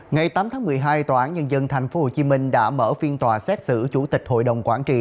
ngày tám tháng một mươi hai tòa án nhân dân tp hcm đã mở phiên tòa xét xử chủ tịch hội đồng quản trị